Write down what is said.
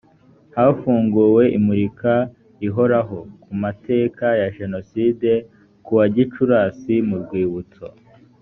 hafunguwe imurika rihoraho ku mateka ya jenoside kuwa gicurasi mu rwibutso